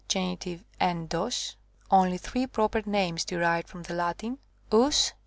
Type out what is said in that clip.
evros (only three proper names derived from.the Latin), ovs G.